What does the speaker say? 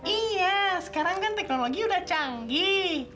iya sekarang kan teknologi udah canggih